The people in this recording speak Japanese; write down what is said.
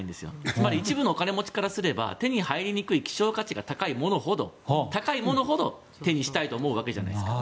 つまり一部のお金持ちからすると手に入りにくい希少価値の高いものほど手にしたいと思うわけじゃないですか。